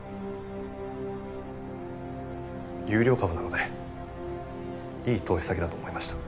優良株なのでいい投資先だと思いました。